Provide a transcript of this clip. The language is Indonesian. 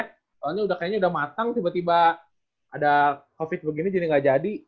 kayaknya udah matang tiba tiba ada covid begini jadi nggak jadi